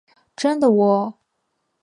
真的喔！